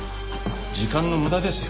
時間の無駄ですよ。